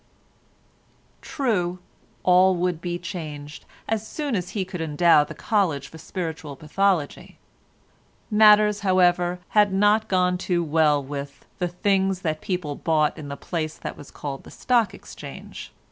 True, all would be changed as soon as he could endow the College for Spiritual Pathology; matters, however, had not gone too well with "the things that people bought in the place that was called the Stock Exchange."